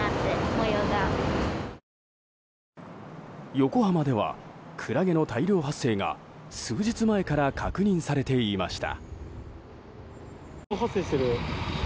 横浜では、クラゲの大量発生が数日前から確認されていました。